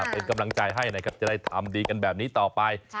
เป็นกำลังใจให้นะครับจะได้ทำดีกันแบบนี้ต่อไป